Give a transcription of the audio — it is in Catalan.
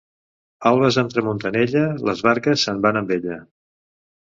Albes amb tramuntanella, les barques se'n van amb ella.